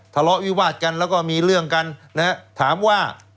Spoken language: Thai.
ทะเลาะวิวาดกันแล้วก็มีเรื่องกันนะฮะถามว่า